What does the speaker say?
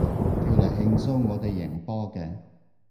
叫嚟慶祝我哋贏波嘅